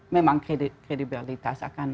memang kredibilitas akan